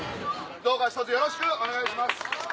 どうかひとつよろしくお願いします！